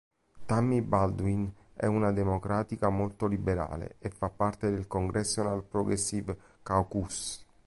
Tammy Baldwin è una democratica molto liberale e fa parte del Congressional Progressive Caucus.